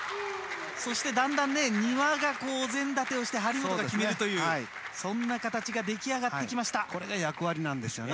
そしてだんだんね、丹羽がお膳立てをして張本が決めるという、そんな形が出来上がっこれが役割なんですよね。